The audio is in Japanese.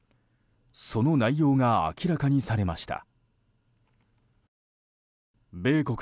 その内容が明らかにされました。